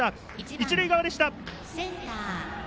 一塁側でした。